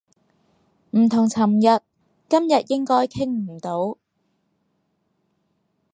唔同尋日，今日應該傾唔到